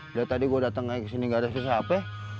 udah tadi gue dateng ke sini gak ada siapa